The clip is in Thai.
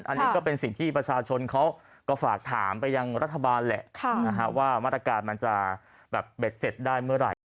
อันนี้ก็เป็นสิ่งที่ประชาชนเขาก็ฝากถามไปยังรัฐบาลแหละว่ามาตรการมันจะแบบเบ็ดเสร็จได้เมื่อไหร่